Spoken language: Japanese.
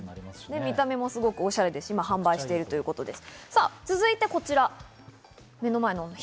見た目もおしゃれで販売してるということです。